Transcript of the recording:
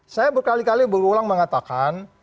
saya berkali kali berulang mengatakan